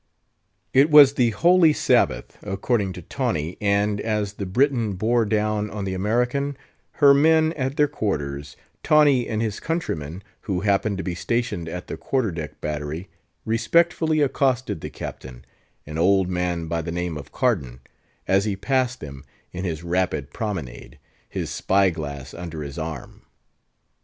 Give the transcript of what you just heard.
It was the holy Sabbath, according to Tawney, and, as the Briton bore down on the American—her men at their quarters—Tawney and his countrymen, who happened to be stationed at the quarter deck battery, respectfully accosted the captain—an old man by the name of Cardan—as he passed them, in his rapid promenade, his spy glass under his arm.